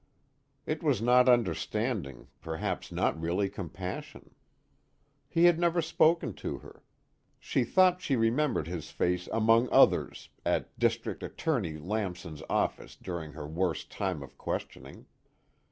It was not understanding, perhaps not really compassion. He had never spoken to her. She thought she remembered his face among others at District Attorney Lamson's office during her worst time of questioning.